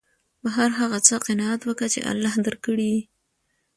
په هر هغه څه قناعت وکه، چي الله درکړي يي.